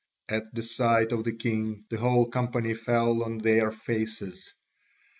At the sight of the king, the whole company fell on their faces.